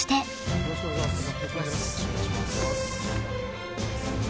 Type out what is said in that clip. よろしくお願いします。